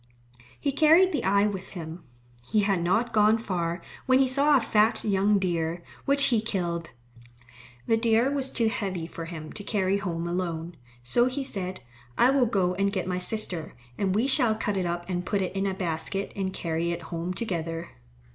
He carried the eye with him. He had not gone far when he saw a fat young deer, which he killed. The deer was too heavy for him to carry home alone. So he said, "I will go and get my sister, and we shall cut it up and put it in a basket and carry it home together."